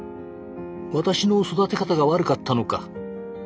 「私の育て方が悪かったのか」